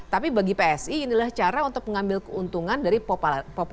tapi bagi psi inilah cara untuk mengambil keuntungan dari populasi